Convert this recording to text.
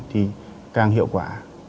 thì càng hiệu quả